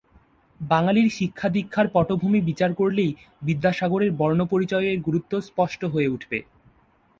বাঙালির শিক্ষা-দীক্ষার পটভূমি বিচার করলেই বিদ্যাসাগরের "বর্ণপরিচয়"-এর গুরুত্ব স্পষ্ট হয়ে উঠবে।